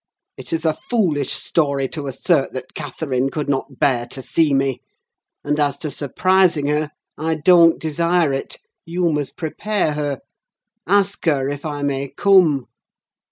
It is a foolish story to assert that Catherine could not bear to see me; and as to surprising her, I don't desire it: you must prepare her—ask her if I may come.